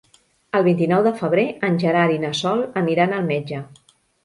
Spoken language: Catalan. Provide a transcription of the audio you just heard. El vint-i-nou de febrer en Gerard i na Sol aniran al metge.